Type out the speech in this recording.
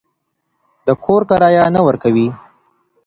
د کور کرایه نه ورکوئ.